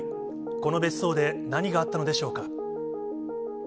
この別荘で何があったのでしょう